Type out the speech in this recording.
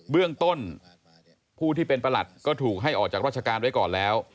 เบื้องต้นผู้ที่เป็นประหลัดก็ถูกให้ออกจากราชการไว้ก่อนแล้ว